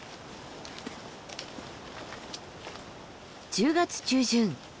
１０月中旬。